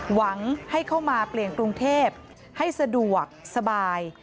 หวังให้เข้ามาเปลี่ยนกรุงเทพให้สะดวกสบาย